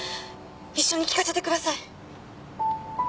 一緒に聞かせてください。